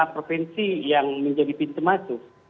lima provinsi yang menjadi pintu masuk